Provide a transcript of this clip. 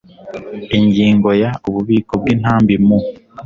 Ingingo ya Ububiko bw intambi mu